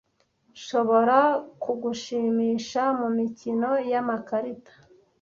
Nshobora kugushimisha mumikino yamakarita?